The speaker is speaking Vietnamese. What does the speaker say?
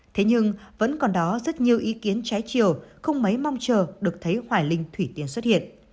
thế nhưng vẫn còn đó rất nhiều ý kiến trái chiều không mấy mong chờ được thấy hoài linh thủy tiền xuất hiện